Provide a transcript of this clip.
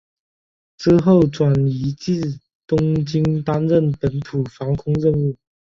之后转移至东京担任本土防空任务。